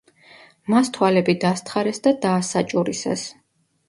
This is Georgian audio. მას თვალები დასთხარეს და დაასაჭურისეს.